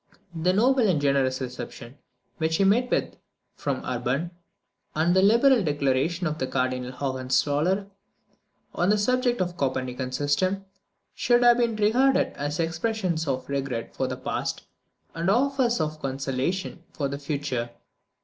The noble and generous reception which he met with from Urban, and the liberal declaration of Cardinal Hohenzoller on the subject of the Copernican system, should have been regarded as expressions of regret for the past, and offers of conciliation for the future.